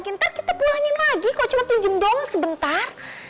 ntar kita pulangin lagi kok coba pinjem doang sebentar